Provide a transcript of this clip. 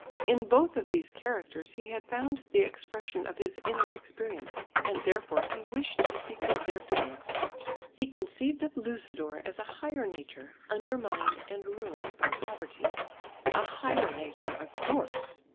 In both of these characters he had found the expression of his inner experience, and therefore he wished to speak with their tongues. He conceived of Lucidor as a higher nature undermined and ruined by poverty. A higher nature of course!